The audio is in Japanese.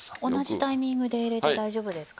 同じタイミングで入れて大丈夫ですか？